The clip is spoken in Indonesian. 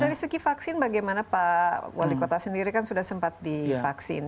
dari segi vaksin bagaimana pak wali kota sendiri kan sudah sempat divaksin